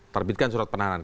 terbitkan surat penahanan